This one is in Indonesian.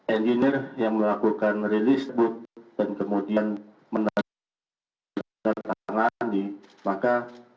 engineer yang melakukan release book dan kemudian menandatangani maka